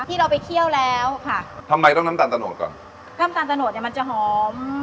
ที่เราไปเคี่ยวแล้วค่ะทำไมต้องน้ำตาลตะโนดก่อนน้ำตาลตะโหดเนี้ยมันจะหอม